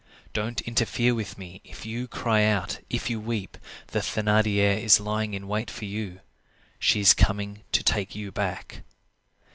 Don't interfere with me. If you cry out, if you weep, the Thénardier is lying in wait for you. She is coming to take you back."